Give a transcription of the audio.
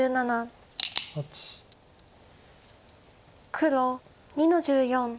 黒２の十四。